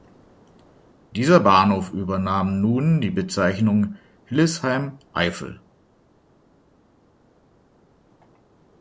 Dieser Bahnhof übernahm nun die Bezeichnung "Hillesheim (Eifel)".